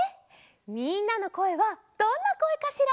みんなのこえはどんなこえかしら？